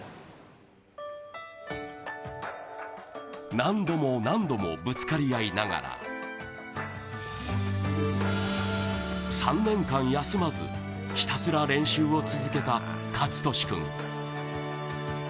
何度も何度もぶつかり合いながら３年間休まず、ひたすら練習を続けた勝利君。